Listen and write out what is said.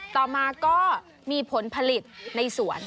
ต่อมาก็มีผลผลิตในสวน